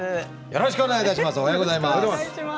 よろしくお願いします。